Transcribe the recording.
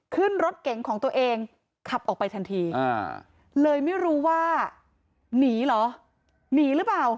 ขึ้นรถเก๋งของตัวเองขับออกไปทันทีเลยไม่รู้ว่าหนีเหรอหนีหรือเปล่า